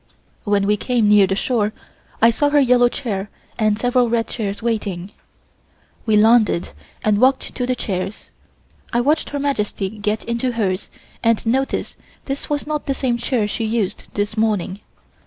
When we came near the shore I saw her yellow chair and several red chairs waiting. We landed and walked to the chairs. I watched Her Majesty get into hers and noticed this was not the same chair she used this morning.